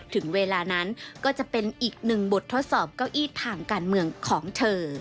ถึงเวลานั้นก็จะเป็นอีกหนึ่งบททดสอบเก้าอี้ทางการเมืองของเธอ